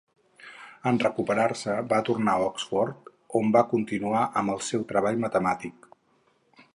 En recuperar-se, va tornar a Oxford on va continuar amb el seu treball matemàtic.